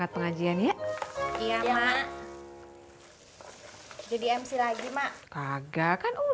pelan pelan dong